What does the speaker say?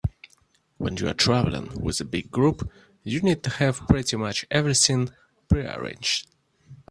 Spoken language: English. When you are traveling with a big group, you need to have pretty much everything prearranged.